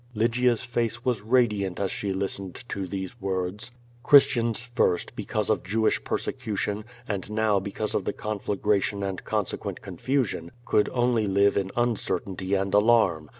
*' Lygia's face was radiant as she listened to these words. Christians, first, because of Jewish persecution, and now because of the conflagration and consequent confusion, could only live in uncertainty and alarm.